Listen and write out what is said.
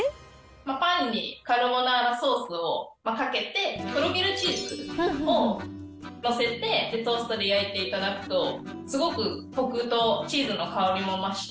パンにカルボナーラソースをかけて、とろけるチーズを載せて、トーストで焼いていただくと、すごく、こくとチーズの香りも増して。